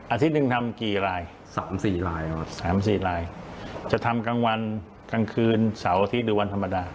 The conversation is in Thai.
อาทิตย์นึงทำกี่ราย๓๔รายจะทำกลางวันกลางคืนเสาร์อาทิตย์หรือวันธรรมดา